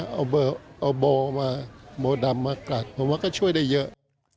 เอาเบอร์เอาโบว์มาโบว์ดำมากกลัดผมว่าก็ช่วยได้เยอะ